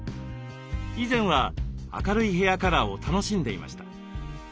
以前は明るいヘアカラーを楽しんでいました。